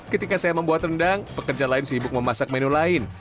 ketika saya membuat rendang pekerja lain sibuk memasak menu lain